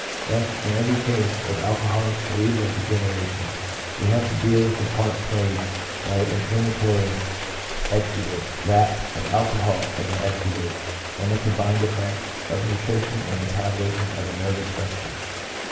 " Thus in every case of alcoholic cerebral degeneration we have to deal with the part played by the inflammatory exudate, that of alcohol in the exudate, and the combined effects of nutrition and metabolism of the nervous structure."